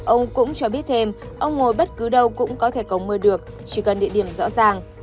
ông cũng cho biết thêm ông ngồi bất cứ đâu cũng có thể cầu mưa được chỉ cần địa điểm rõ ràng